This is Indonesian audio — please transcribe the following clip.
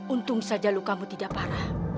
untung saja lukamu tidak parah